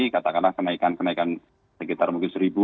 katakanlah kenaikan kenaikan sekitar mungkin seribu